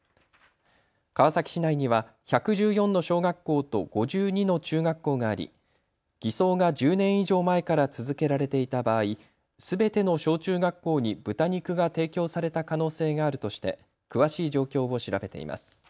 川崎市内には１１４の小学校と５２の中学校があり偽装が１０年以上前から続けられていた場合、すべての小中学校に豚肉が提供された可能性があるとして詳しい状況を調べています。